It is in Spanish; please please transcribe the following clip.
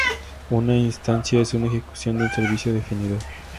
Una "instancia" es una ejecución de un servicio definido.